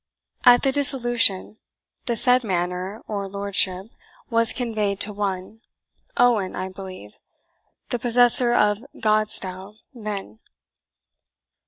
At the Dissolution, the said manor, or lordship, was conveyed to one Owen (I believe), the possessor of Godstow then.